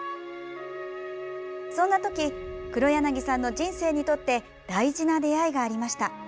そんな時黒柳さんの人生にとって大事な出会いがありました。